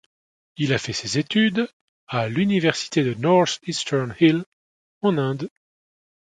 Il a fait ses études à l’université de North Eastern Hill en Inde.